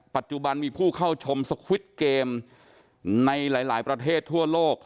ปัจจุบันมีผู้เข้าชมสควิตเกมในหลายประเทศทั่วโลก